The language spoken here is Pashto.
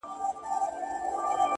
• ما یوه شېبه لا بله ځنډولای,